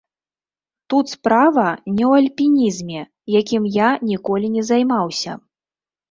Тут справа не ў альпінізме, якім я ніколі не займаўся.